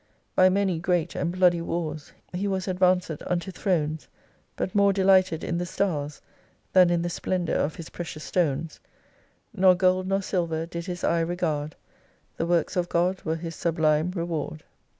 By many great and bloody wars He was advanced unto Thrones : But more delighted in the stars Than in the splendour of his precious stones ; Nor gold nor silver did his eye regard : The Works of God were his sublime reward.